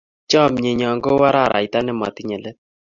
Chamyenyo ko u araraita ne matinye let